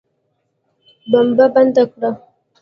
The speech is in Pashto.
بمبه بنده کړه.